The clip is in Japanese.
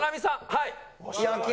はい。